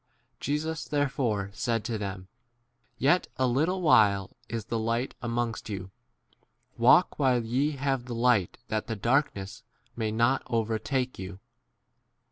35 Jesus therefore said to them. Yet a little while is the light amongst* you. Walk while ye have the light that the darkness may not over take y you.